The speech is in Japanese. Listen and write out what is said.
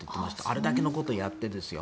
あれだけのことやってですよ。